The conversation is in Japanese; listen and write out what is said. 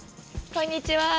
こんにちは。